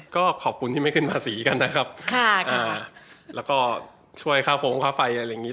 ก็ขอบคุณที่ไม่ขึ้นภาษีกันนะครับแล้วก็ช่วยค่าโฟงค่าไฟอะไรอย่างนี้